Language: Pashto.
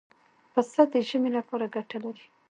پسه د ژمې لپاره ګټه لري.